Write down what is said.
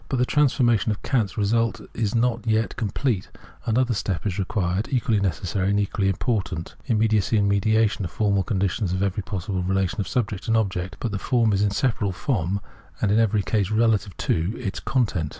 But the transformation of Kant's result is not yet| complete; another step is required, equally necessary^ and equally important. Immediacy and mediation are formal conditions of every possible relation of subject and object ; but the form is inseparable from, and in Translator's Introduction XIX every case relative to, content.